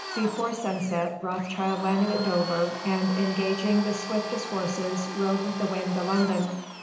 Before sunset Rothschild landed at Dover; and engaging the swiftest horses, rode with the wind to London.